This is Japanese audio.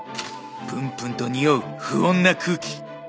・「ぷんぷんとにおう不穏な空気」